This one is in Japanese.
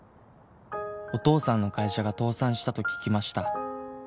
「お父さんの会社が倒産したと聞きました」